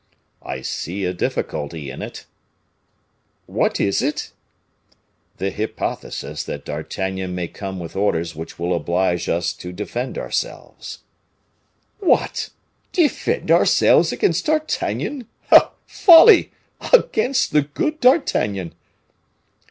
"I see a difficulty in it." "What is it?" "The hypothesis that D'Artagnan may come with orders which will oblige us to defend ourselves." "What! defend ourselves against D'Artagnan? Folly! Against the good D'Artagnan!"